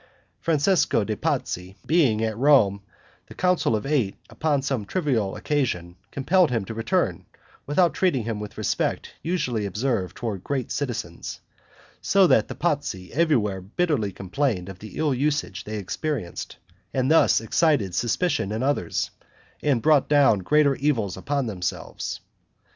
Francesco de' Pazzi, being at Rome, the Council of Eight, upon some trivial occasion, compelled him to return, without treating him with the respect usually observed toward great citizens, so that the Pazzi everywhere bitterly complained of the ill usage they experienced, and thus excited suspicion in others, and brought down greater evils upon themselves.